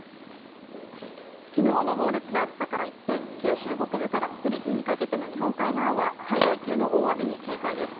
昨日の猛烈な暑さから一転九州北部から北陸にかけての日本海側は災害級の大雨に警戒です。